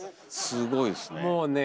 すごいですね。